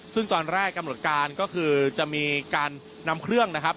ซึ่งตอนแรกกำหนดการก็คือจะมีการนำเครื่องนะครับ